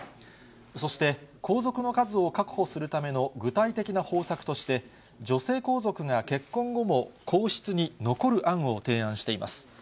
そして、皇族の数を確保するための具体的な方策として、女性皇族が結婚後も皇室に残る案を提案しています。